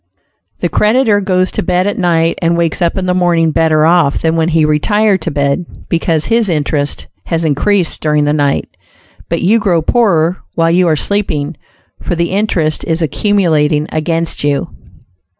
The creditor goes to bed at night and wakes up in the morning better off than when he retired to bed, because his interest has increased during the night, but you grow poorer while you are sleeping, for the interest is accumulating against you.